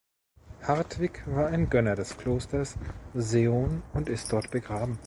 Hartwig war ein Gönner des Klosters Seeon und ist dort begraben.